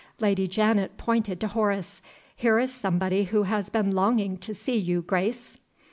Lady Janet pointed to Horace: "Here is somebody who has been longing to see you, Grace."